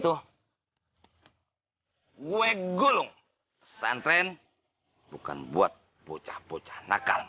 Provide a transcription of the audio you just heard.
tapi christine sih saya juga pernah liat